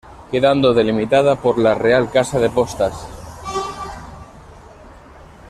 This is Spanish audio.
Quedando delimitada por la Real Casa de Postas.